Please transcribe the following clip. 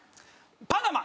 パナマ！